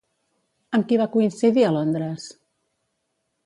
Amb qui va coincidir a Londres?